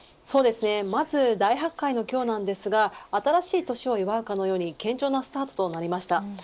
まず、大発会の今日なんですが新しい年を祝うかのように堅調なスタートとなりました。